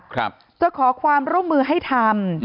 จะขอความร่วมมือให้ทำ